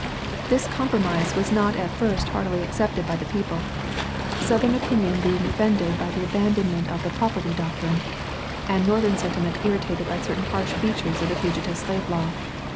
This compromise was not at first heartily accepted by the people; Southern opinion being offended by the abandonment of the "property" doctrine, and Northern sentiment irritated by certain harsh features of the fugitive slave law.